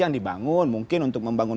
yang dibangun mungkin untuk membangun